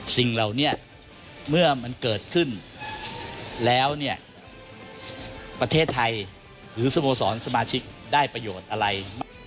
สิ่งเหล่านี้เมื่อมันเกิดขึ้นแล้วเนี่ยประเทศไทยหรือสโมสรสมาชิกได้ประโยชน์อะไร